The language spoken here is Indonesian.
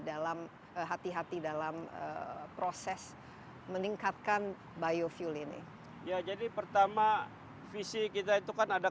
dalam hati hati dalam proses meningkatkan biofuel ini ya jadi pertama visi kita itu kan ada